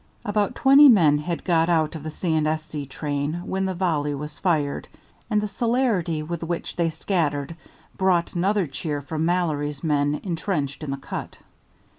About twenty men had got out of the C. & S.C. train when the volley was fired, and the celerity with which they scattered brought another cheer from Mallory's men intrenched in the cut.